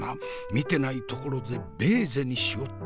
見てないところでベーゼにしおったわ！